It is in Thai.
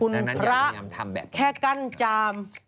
คุณพระแค่กั้นจามดังนั้นอยากพยายามทำแบบนี้